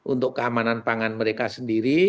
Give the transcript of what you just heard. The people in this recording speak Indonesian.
untuk keamanan pangan mereka sendiri